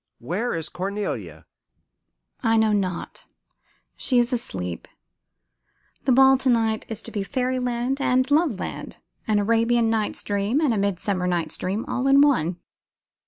Where is Cornelia?" "I know not. She is asleep. The ball to night is to be fairy land and love land, an Arabian night's dream and a midsummer night's dream all in one.